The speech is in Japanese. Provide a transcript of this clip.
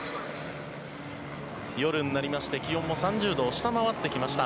夜になりまして、気温も３０度を下回ってきました。